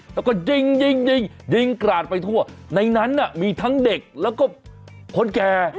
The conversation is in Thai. แล้วก็ยิงยิงยิงกราดไปทั่วในนั้นมีทั้งเด็กแล้วก็คนแก่